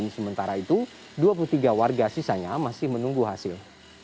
sementara itu dua puluh tiga warga sisanya masih menunggu hasil